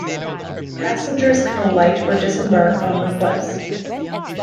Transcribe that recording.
Passengers can alight or disembark on request.